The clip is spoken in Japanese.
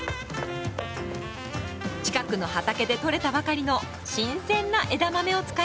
近くの畑でとれたばかりの新鮮な枝豆を使います。